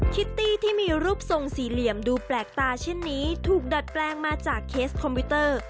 คิตตี้ที่มีรูปทรงสี่เหลี่ยมดูแปลกตาเช่นนี้ถูกดัดแปลงมาจากเคสคอมพิวเตอร์